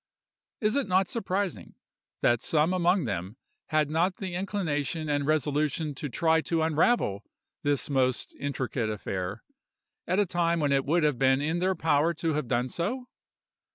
Is it not surprising that some among them had not the inclination and resolution to try to unravel this most intricate affair, at a time when it would have been in their power to have done so?